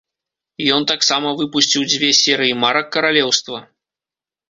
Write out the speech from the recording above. Ён таксама выпусціў дзве серыі марак каралеўства.